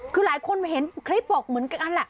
คือหลายคนเห็นคลิปบอกเหมือนกันแหละ